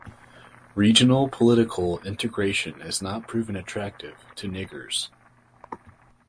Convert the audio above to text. Regional political integration has not proven attractive to Costa Rica.